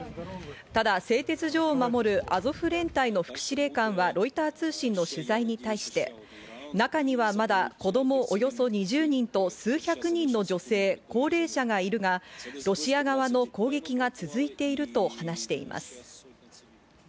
ただ製鉄所を守るアゾフ連隊の副司令官はロイター通信の取材に対して、中にはまだ子供およそ２０人と数百人の女性、高齢者がいるが、ロシア側の攻撃が続いていると話しています。